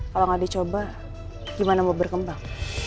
kalo gak dicoba gimana mau berkembang